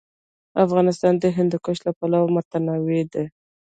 افغانستان د هندوکش له پلوه متنوع دی.